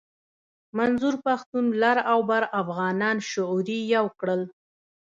منظور پښتون لر او بر افغانان شعوري يو کړل.